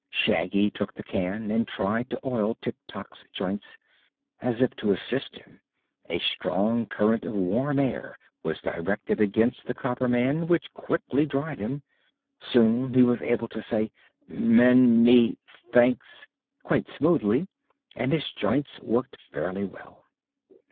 Shaggy took the can and tried to oil Tik Tok's joints. As if to assist him, a strong current of warm air was directed against the copper man which quickly dried him. Soon he was able to say "Ma ny thanks!" quite smoothly and his joints worked fairly well.